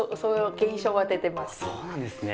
そうなんですね。